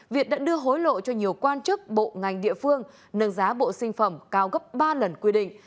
việt đã đưa hối lộ cho nhiều quan chức bộ ngành địa phương nâng giá bộ sinh phẩm cao gấp ba lần quy định